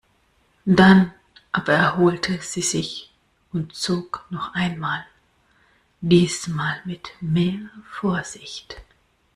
Dann aber erholte sie sich und zog noch einmal, diesmal mit mehr Vorsicht.